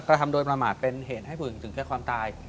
กระทำโดยประมาทเป็นเหตุให้ผู้อื่นถึงแก่ความตาย